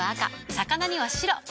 魚には白。